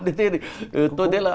thế thì tôi thấy là ừ